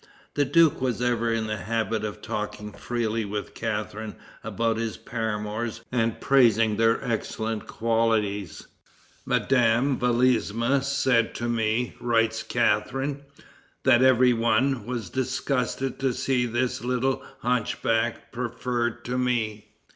The duke was ever in the habit of talking freely with Catharine about his paramours and praising their excellent qualities. "Madame Vladisma said to me," writes Catharine, "that every one was disgusted to see this little hunchback preferred to me.